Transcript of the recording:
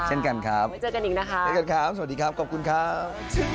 เจอกันครับสวัสดีครับขอบคุณครับ